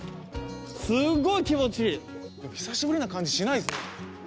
すごい気持ちいい久しぶりな感じしないですね